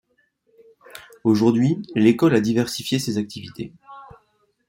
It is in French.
Aujourd'hui, l'école a diversifié ses activités.